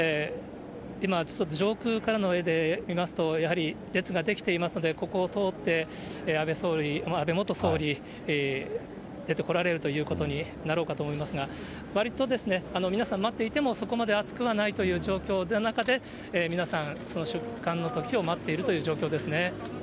今、上空からの絵で見ますと、やはり列が出来ていますので、ここを通って、安倍総理、安倍元総理、出てこられるということになろうかと思いますが、わりと皆さん、待っていてもそこまで暑くはないという状況の中で、皆さん、その出棺のときを待っているという状況ですね。